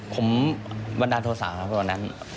ผมบันดาลโทษะครับวันนั้น